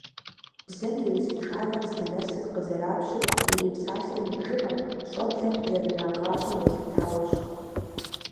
Бзэм и узыншагъэр здынэсыр къызэрапщыр ирипсалъэм и бжыгъэм, щӀэблэм зэрырагъащӀэм елъытауэщ.